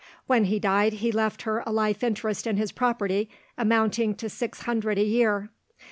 When he died, he left her a life interest in his property amounting to six hundred a year.